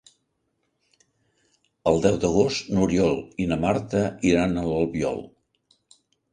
El deu d'agost n'Oriol i na Marta iran a l'Albiol.